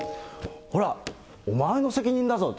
ほら、お前の責任だぞと。